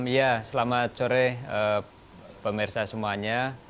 ya selamat sore pemirsa semuanya